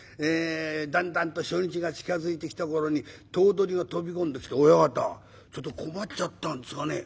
だんだんと初日が近づいてきた頃に頭取が飛び込んできて「親方ちょっと困っちゃったんですがね。